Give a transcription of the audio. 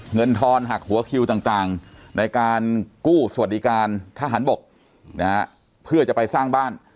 ทอนหักหัวคิวต่างในการกู้สวัสดิการทหารบกนะฮะเพื่อจะไปสร้างบ้าน